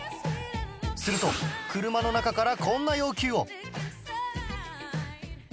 すると車の中からこんな要求を